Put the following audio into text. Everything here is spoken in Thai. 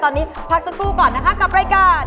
ตอนนี้พักสักครู่ก่อนนะคะกับรายการ